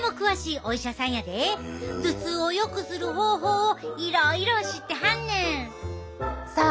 頭痛をよくする方法をいろいろ知ってはんねん。